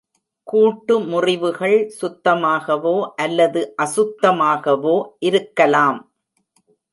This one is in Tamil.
கூட்டு முறிவுகள் சுத்தமாகவோ அல்லது அசுத்தமாகவோ இருக்கலாம்.